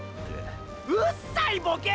うっさいボケ！！